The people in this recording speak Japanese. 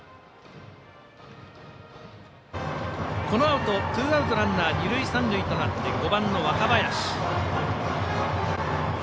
このあとツーアウトランナー、二塁三塁となって５番の若林。